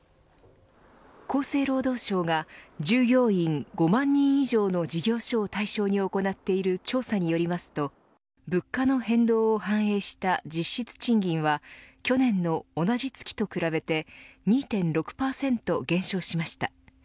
厚生労働省が従業員５万人以上の事業所を対象に行っている調査によりますと物価の変動を反映した実質賃金は去年の同じ月と比べて２．６％減少しました。